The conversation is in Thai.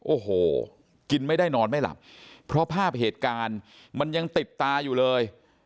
โอ้โหกินไม่ได้นอนไม่หลับเพราะภาพเหตุการณ์มันยังติดตาอยู่เลย